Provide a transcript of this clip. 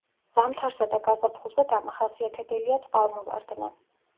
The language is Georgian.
ზამთარსა და გაზაფხულზე დამახასიათებელია წყალმოვარდნა.